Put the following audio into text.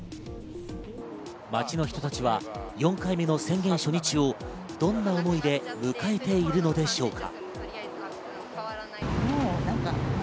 街の人たちは４回目の宣言初日をどんな思いで迎えているのでしょうか。